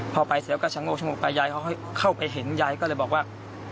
พอไปเสร็จก็ชะโงกชะโงกไปยายเขาเข้าไปเห็นยายก็เลยบอกว่า